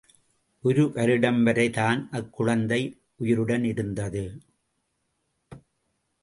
ஒரு வருடம் வரை தான் அக்குழந்தை உயிருடன் இருந்தது.